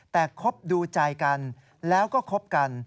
แต่คบดูใจกันแล้วก็คบกัน